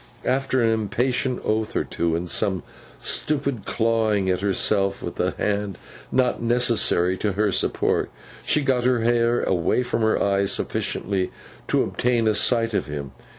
After an impatient oath or two, and some stupid clawing of herself with the hand not necessary to her support, she got her hair away from her eyes sufficiently to obtain a sight of him.